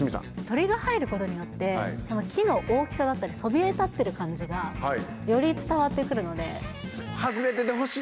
鳥が入ることによって木の大きさだったりそびえ立ってる感じがより伝わって来るので。